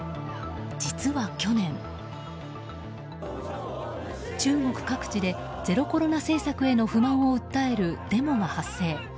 実は去年、中国各地でゼロコロナ政策への不満を訴えるデモが発生。